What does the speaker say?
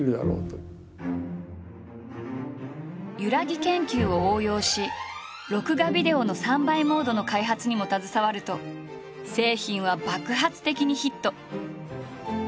ゆらぎ研究を応用し録画ビデオの３倍モードの開発にも携わると製品は爆発的にヒット。